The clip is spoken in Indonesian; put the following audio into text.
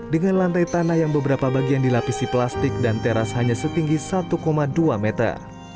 dengan lantai tanah yang beberapa bagian dilapisi plastik dan teras hanya setinggi satu dua meter